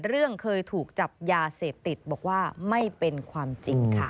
เรื่องเคยถูกจับยาเสพติดบอกว่าไม่เป็นความจริงค่ะ